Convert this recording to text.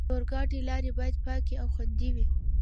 د اورګاډي لارې باید پاکې او خوندي وي.